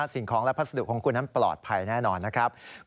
สิ่งของและพัสดุของคุณนั้นปลอดภัยแน่นอนนะครับ